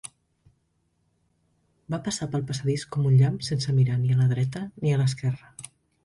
Va passar pel passadís com un llamp sense mirar ni a la dreta ni a l'esquerra.